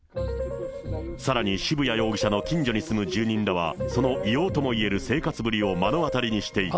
さらに渋谷容疑者の近所に住む住人らは、その異様ともいえる生活ぶりを目の当たりにしていた。